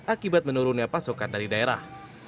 akibat menurunnya pasokan dari daerah